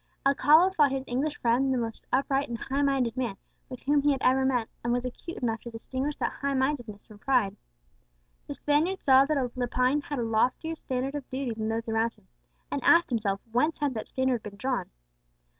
Alcala thought his English friend the most upright and highminded man with whom he had ever met, and was acute enough to distinguish that highmindedness from pride. The Spaniard saw that Lepine had a loftier standard of duty than those around him, and asked himself whence had that standard been drawn.